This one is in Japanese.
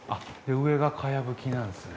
上が茅葺きなんですね。